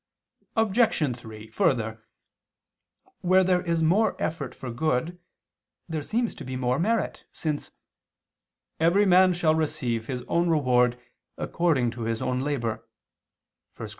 Obj. 3: Further, where there is more effort for good, there seems to be more merit, since "every man shall receive his own reward according to his own labor" (1 Cor.